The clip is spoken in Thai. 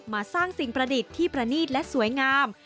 มาสร้างสิ่งประดิษฐ์ที่ประนีตและสวยงาม